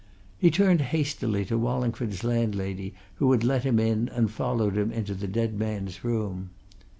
He turned hastily to Wallingford's landlady, who had let him in and followed him into the dead man's room.